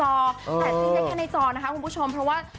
แต่ซื้อได้แค่ในจอนะคะคุณผู้ชมเพราะว่า